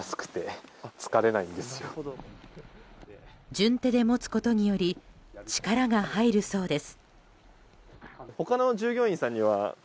順手で持つことにより力が入るそうです。